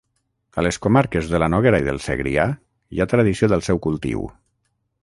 A les comarques de la Noguera i del Segrià hi ha tradició del seu cultiu.